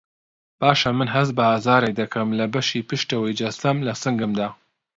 باشه من هەست بە ئازارێک دەکەم لە بەشی پێشەوەی جەستەم له سنگمدا